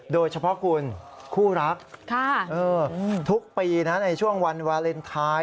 โดยเฉพาะคุณคู่รักทุกปีนะในช่วงวันวาเลนไทย